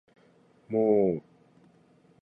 もーう